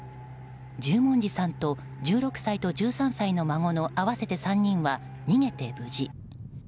十文字さんと１６歳と１３歳の孫の合わせて３人は逃げて無事。